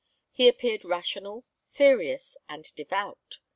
he appeared rational, serious, and devout.